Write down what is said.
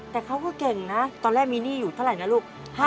แต่เขาก็เก่งนะตอนแรกมีหนี้อยู่เท่าไหร่นะลูก